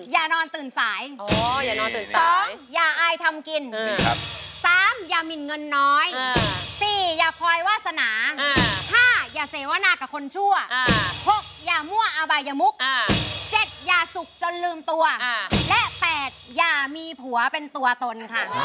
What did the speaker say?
๕อย่าเสวนนากับคนชั่ว๖อย่ามั่วอบายมุก๗อย่าสุกจนลืมตัว๘อย่ามีผัวเป็นตัวตน